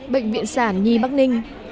bệnh viện sản nhi bắc ninh